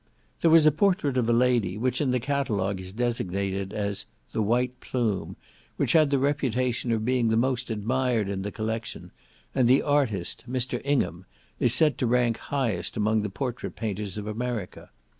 There was a portrait of a lady, which, in the catalogue, is designated as "the White Plume," which had the reputation of being the most admired in the collection, and the artist, Mr. Ingham, is said to rank highest among the portrait painters of America.